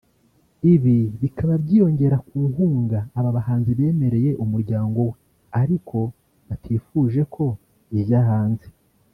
Ibi bikaba byiyongera ku nkunga aba bahanzi bemereye umuryango we ariko batifuje ko ijya hanze